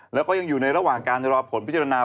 แล้วก็ยังอยู่ในระหว่างการรอผลพิจารณา